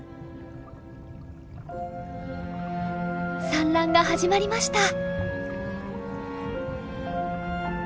産卵が始まりました！